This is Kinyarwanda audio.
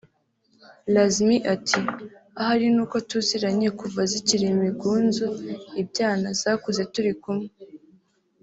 Lazmi ati “Ahari ni uko tuziranye kuva zikiri imigunzu(ibyana) zakuze turi kumwe”